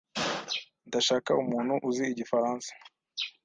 Ndashaka umuntu uzi Igifaransa.